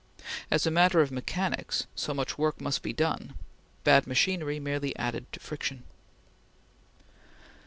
As a matter of mechanics, so much work must be done; bad machinery merely added to friction.